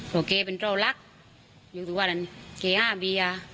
โหเก่เป็นเจ้าลักษณ์อยู่ทุกวันนั้นเก่ห้ามีอ่ะ